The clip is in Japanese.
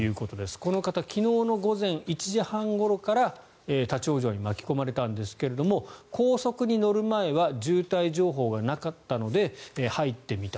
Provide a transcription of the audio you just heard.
この方昨日の午前１時半ごろから立ち往生に巻き込まれたんですが高速に乗る前は渋滞情報がなかったので入ってみた。